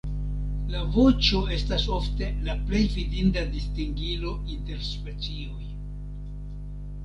La voĉo estas ofte la plej fidinda distingilo inter specioj.